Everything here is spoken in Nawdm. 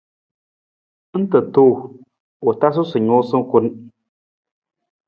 Ng ta tuu, u tasu sa nuusa kun.